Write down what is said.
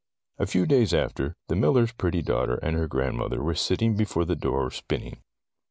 A few days after, the miller's pretty daughter and her grandmother were sitting before their door spinning.